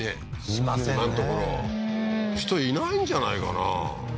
今のところ人いないんじゃないかな？